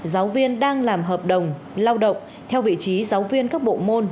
giáo viên đang làm hợp đồng lao động theo vị trí giáo viên các bộ môn